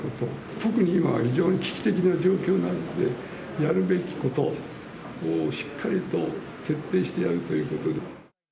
特に今は非常に危機的な状況なので、やるべきことをしっかりと徹底してやるということ。